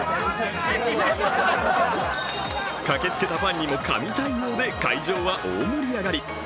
駆けつけたファンにも神対応で会場は大盛り上がり。